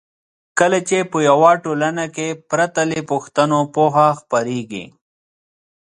کله چې په یوه ټولنه کې پرته له پوښتنو پوهه خپریږي.